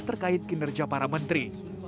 terkait kinerja para menteri